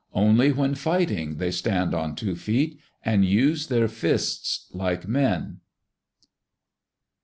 Only when fighting they stand on two feet and use their fists like men.